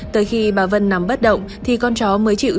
tới khi bà vân nằm bất động thì con chó mới chịu dừng lại